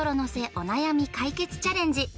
お悩み解決チャレンジ